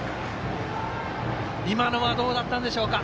今のはどうだったでしょうか？